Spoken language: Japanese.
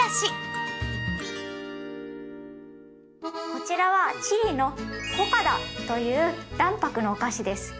こちらはチリのコカダという卵白のお菓子です。